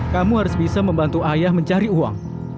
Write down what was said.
kamu harus bisa membantu ayah mencari uang